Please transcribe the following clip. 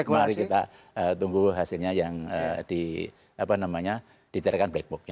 mari kita tunggu hasilnya yang di apa namanya diceritakan black book